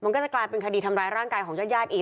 มันก็จะกลายเป็นคดีทำร้ายร่างกายของญาติญาติอีก